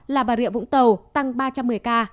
là bà rịa vũng tàu tăng ba trăm một mươi ca